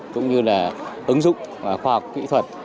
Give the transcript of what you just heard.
cũng như là ứng dụng khoa học kỹ thuật